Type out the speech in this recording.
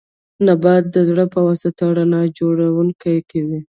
نبات د رڼا په واسطه رڼا جوړونه کوي